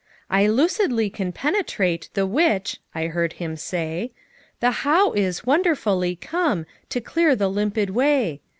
"I lucidly can penetrate The Which," I heard him say, "The How is, wonderfully, come To clear the limpid way.